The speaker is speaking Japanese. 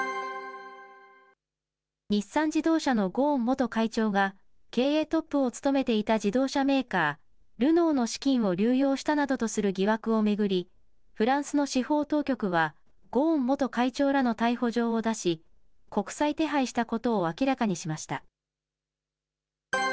日産自動車のゴーン元会長が、経営トップを務めていた自動車メーカー、ルノーの資金を流用したなどとする疑惑を巡り、フランスの司法当局は、ゴーン元会長らの逮捕状を出し、国際手配したことを明らかにしました。